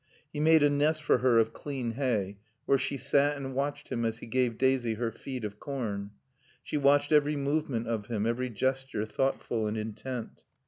He made a nest for her of clean hay, where she sat and watched him as he gave Daisy her feed of corn. She watched every movement of him, every gesture, thoughtful and intent.